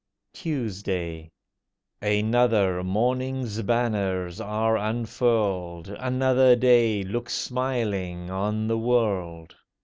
TUESDAY Another morning's banners are unfurled— Another day looks smiling on the world.